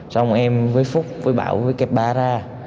xong em với phúc với bảo với kẹp ba ra